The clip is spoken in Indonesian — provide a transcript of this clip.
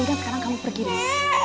sekarang kamu pergi deh